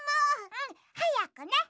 うんはやくね。